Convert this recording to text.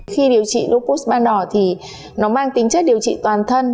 khi điều trị lupos ban đỏ thì nó mang tính chất điều trị toàn thân